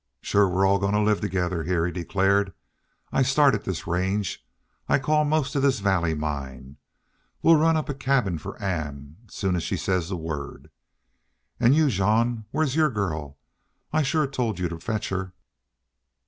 "Shore we're all goin' to live together heah," he declared. "I started this range. I call most of this valley mine. We'll run up a cabin for Ann soon as she says the word. An' you, Jean, where's your girl? I shore told you to fetch her."